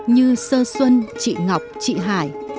như sơ xuân chị ngọc chị hải